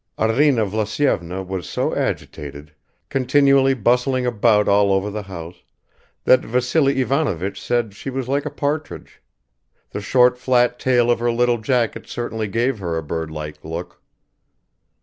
Arina Vlasyevna was so agitated, continually bustling about all over the house, that Vassily Ivanovich said she was like a partridge; the short flat tail of her little jacket certainly gave her a birdlike look.